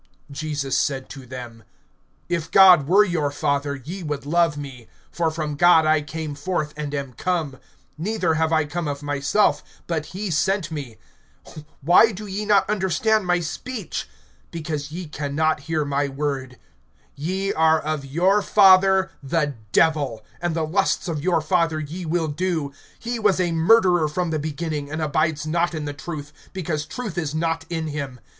(42)Jesus said to them: If God were your father, ye would love me; for from God I came forth, and am come; neither have I come of myself, but he sent me. (43)Why do ye not understand my speech? Because ye can not hear my word. (44)Ye are of your father the Devil, and the lusts of your father ye will do. He was a murderer from the beginning, and abides not in the truth, because truth is not in him.